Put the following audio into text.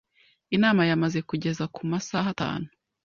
Inama yamaze kugeza kuma saha atanu.